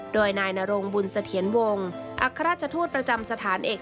โดยนายนรงบุญเสถียรวงศ์อัครราชทูตประจำสถานเอก